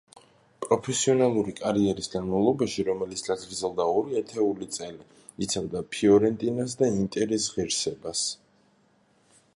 პროფესიონალური კარიერის განმავლობაში, რომელიც გაგრძელდა ორი ათეული წელი, იცავდა „ფიორენტინას“ და „ინტერის“ ღირსებას.